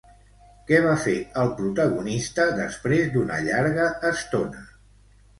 Què va fer el protagonista després d'una llarga estona?